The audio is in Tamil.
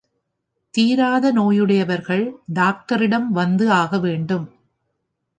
தீராத நோயுடையவர்கள் டாக்டரிடம் வந்து ஆக வேண்டும்.